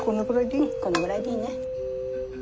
うんこのぐらいでいいね。